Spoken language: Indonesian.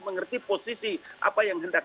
mengerti posisi apa yang hendak